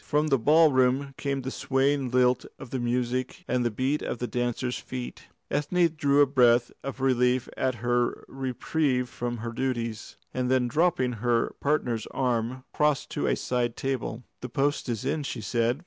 From the ballroom came the swaying lilt of the music and the beat of the dancers' feet. Ethne drew a breath of relief at her reprieve from her duties, and then dropping her partner's arm, crossed to a side table. "The post is in," she said.